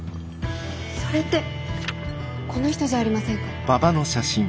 それってこの人じゃありませんか？